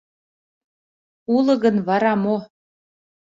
Уло гын, вара мо?